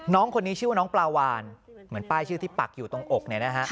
น้องคนนี้ชื่อว่าน้องปลาวานเหมือนป้ายชื่อที่ปักอยู่ตรงอกเนี่ยนะฮะ